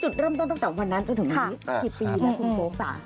จุดเริ่มต้นตั้งแต่วันนั้นจะถึงมีกี่ปีแล้วคุณโป๊บสาว